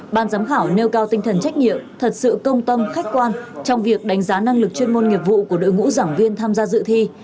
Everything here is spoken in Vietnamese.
ban giám khảo nêu cao tinh thần trách nhiệm thật sự công tâm khách quan trong việc đánh giá năng lực chuyên môn nghiệp vụ của đội ngũ giảng viên tham gia dự thi